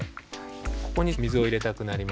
ここに水を入れたくなりますね。